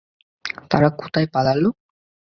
তারা কোথায় পালালো?